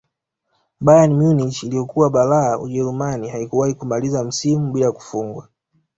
bayern munich iliyokuwa balaa ujerumani haikuwahi kumaliza msimu bila kufungwa